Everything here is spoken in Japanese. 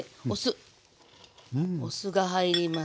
お酢が入ります。